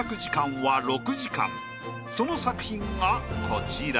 その作品がこちら。